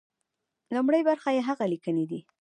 لومړۍ برخه يې هغه ليکنې دي.